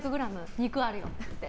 肉あるよって。